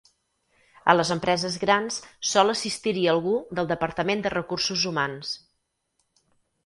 A les empreses grans sol assistir-hi algú del departament de recursos humans.